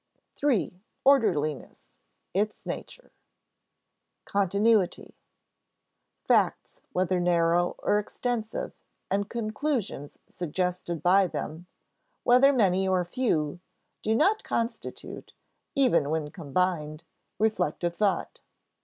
§ 3. Orderliness: Its Nature [Sidenote: Continuity] Facts, whether narrow or extensive, and conclusions suggested by them, whether many or few, do not constitute, even when combined, reflective thought.